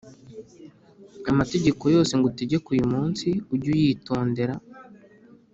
Amategeko yose ngutegeka uyu munsi ujye uyitondera